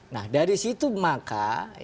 nah dari situ maka